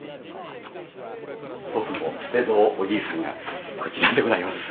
祖父の捨蔵おじいさんがこちらでございます。